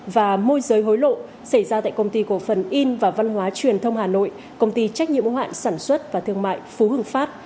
và môi giới hối lộ xảy ra tại công ty cổ phần in và văn hóa truyền thông hà nội công ty trách nhiệm hoạn sản xuất và thương mại phú hưng phát